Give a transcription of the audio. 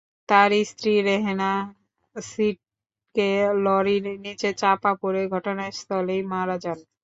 তাঁর স্ত্রী রেহেনা ছিটকে লরির নিচে চাপা পড়ে ঘটনাস্থলেই মারা যান।